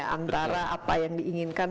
antara apa yang diinginkan